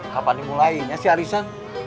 kapan dimulainya sih arissa